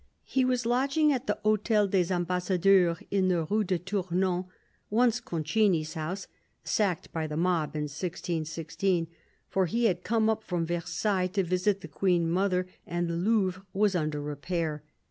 He was lodging at the H6tel des Ambassadeurs, in the Rue de Tournon — once Concini's house, sacked by the mob in 1616 — for he had come up from Versailles to visit the Queen mother, and the Louvre was under repair.